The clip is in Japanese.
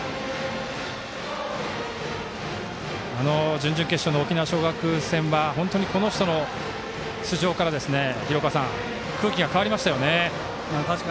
準々決勝の沖縄尚学戦は本当に、この人の出場から廣岡さん、空気が変わりましたね。